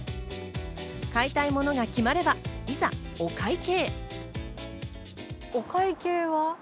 買いたいものが決まればいざお会計。